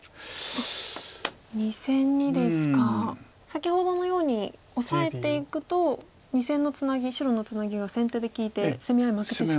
先ほどのようにオサえていくと２線のツナギ白のツナギが先手で利いて攻め合い負けてしまう。